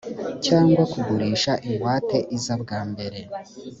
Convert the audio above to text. cyangwa kugurisha ingwate iza bwa mbere